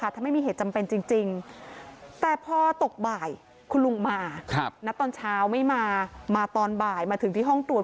แต่พอตกบ่ายคุณลุงมานัดตอนเช้าไม่มามาตอนบ่ายมาถึงที่ห้องตรวจ